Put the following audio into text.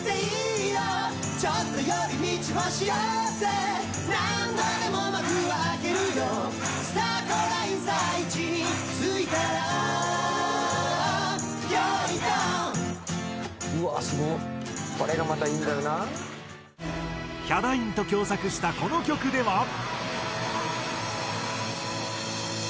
ヒャダインと共作したこの曲では。